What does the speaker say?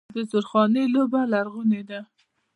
د زورخانې لوبه لرغونې ده.